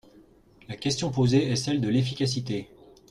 La question posée est celle de l’efficacité.